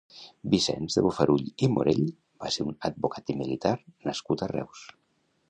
Vicenç de Bofarull i Morell va ser un advocat i militar nascut a Reus.